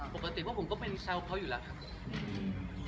ปกติพวกผมก็เป็นแซวเขาอยู่แล้วครับ